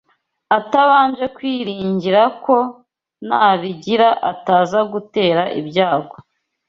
atabanje kwiringira ko nabigira ataza gutera ibyago